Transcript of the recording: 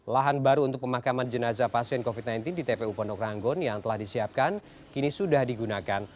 lahan baru untuk pemakaman jenazah pasien covid sembilan belas di tpu pondok ranggon yang telah disiapkan kini sudah digunakan